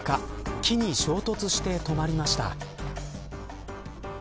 木に衝突して止まりました。